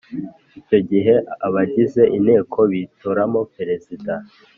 Icyo gihe abagize Inteko bitoramo Perezida